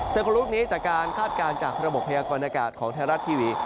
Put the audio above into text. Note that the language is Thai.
คนลุกนี้จากการคาดการณ์จากระบบพยากรณากาศของไทยรัฐทีวี